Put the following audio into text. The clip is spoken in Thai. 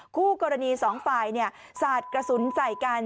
คู่กรณีสองฝ่ายสาดกระสุนใส่กัน